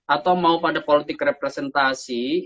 atau mau pada politik representasi